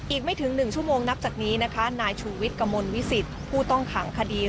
อีกไม่ถึง๑ชั่วโมงนับจากนี้นะคะนายชูวิทย์กระมวลวิสิตผู้ต้องขังคดี